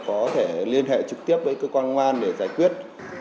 có thể liên hệ trực tiếp với cơ quan ngoan để giải quyết